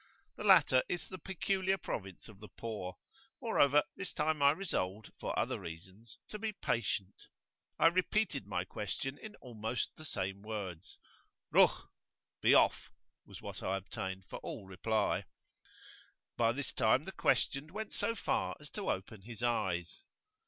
The latter is the peculiar province of the poor; moreover, this time I resolved, for other reasons, to be patient. I repeated my question in almost the same words. Ruh! "Be off," was what I obtained for all reply. But this time the questioned went so far as to open his eyes.